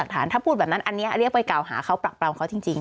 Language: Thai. ถ้าพูดแบบนั้นอันนี้เรียกไปกล่าวหาเขาปรักปรำเขาจริง